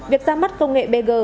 việc ra mắt công nghệ bg